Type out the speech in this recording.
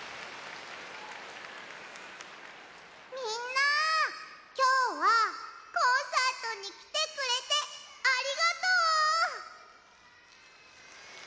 みんなきょうはコンサートにきてくれてありがとう！